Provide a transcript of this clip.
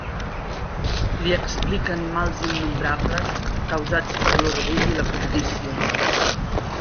Li expliquen mals innombrables causats per l'orgull i la cobdícia.